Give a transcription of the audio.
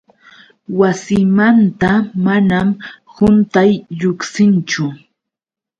Wasimanta manam quntay lluqsinchu.